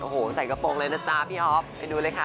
โอ้โหใส่กระโปรงเลยนะจ๊ะพี่อ๊อฟไปดูเลยค่ะ